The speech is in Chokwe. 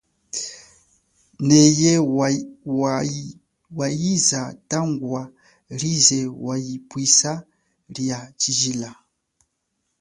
Neye yawahisa tangwa lize yalipwisa lia chijila.